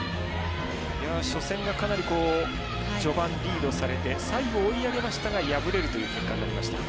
初戦がかなり序盤、リードされて最後追い上げましたが敗れるという結果になりました。